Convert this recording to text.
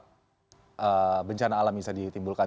dan juga bagaimana dampak dampak yang bisa ditimbulkan